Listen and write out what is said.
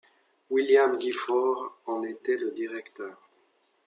William Gifford en était le directeur.